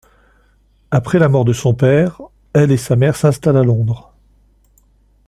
Après la mort de son père, elle et sa mère s'installe à Londres.